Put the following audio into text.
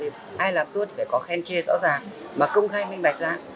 thì ai làm tốt phải có khen chê rõ ràng mà công khai minh bạch ra